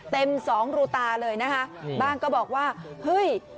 เต็มสองรูตาเลยนะคะบ้างก็บอกว่าเฮ้ย